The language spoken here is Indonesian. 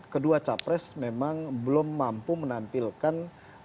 kedua capres memang belum mampu menampilkan